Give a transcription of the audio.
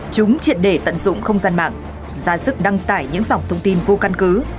chúng triệt đề tận dụng không gian mạng ra sức đăng tải những dòng thông tin vô căn cứ